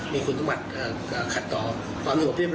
มีคุณธุมัติขัดต่อต่อมากกว่าเพียบร้อย